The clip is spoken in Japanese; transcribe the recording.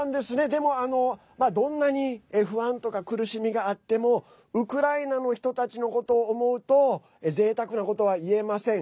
でも、どんなに不安とか苦しみがあってもウクライナの人たちのことを思うとぜいたくなことは言えません。